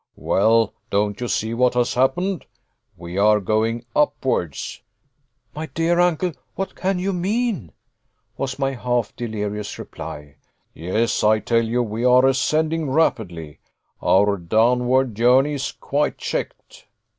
"Well, don't you see what has happened? We are going upwards." "My dear uncle, what can you mean?" was my half delirious reply. "Yes, I tell you we are ascending rapidly. Our downward journey is quite checked."